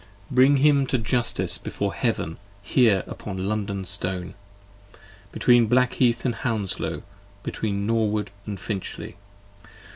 47 50 Bring him to justice before heaven here upon London stone, Between Blackheath & Hounslow, between Norwood & Finchley.